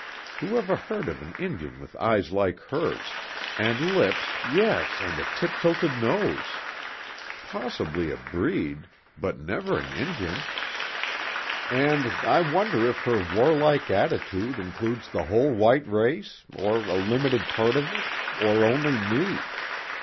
Who ever heard of an Injun with eyes like hers, and lips, yes, and a tip tilted nose? Possibly, a breed but, never an Injun. And, I wonder if her warlike attitude includes the whole white race, or a limited part of it, or only me?